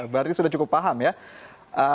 berarti sudah cukup paham ya